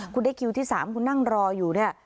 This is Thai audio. คุณได้คิวที่๓คุณนั่งรออยู่เนี่ย